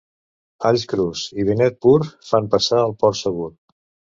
Alls crus i vinet pur fan passar el port segur.